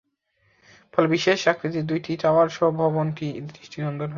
ফলে বিশেষ আকৃতির দুইটি টাওয়ার সহ ভবনটি দৃষ্টিনন্দন হয়ে উঠে।